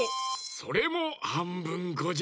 それもはんぶんこじゃ。